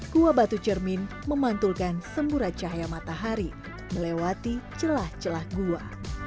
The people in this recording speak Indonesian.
gua batu cermin memantulkan sembura cahaya matahari melewati celah celah gua